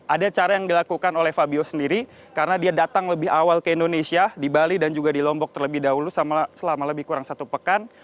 ada cara yang dilakukan oleh fabio sendiri karena dia datang lebih awal ke indonesia di bali dan juga di lombok terlebih dahulu selama lebih kurang satu pekan